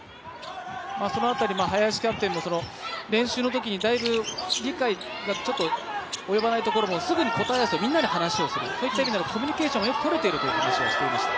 林キャプテンも練習のときに理解が及ばないところもすぐに答え合わせをみんなで話し合いをする、コミュニケーションがよくとれているという話をしていました。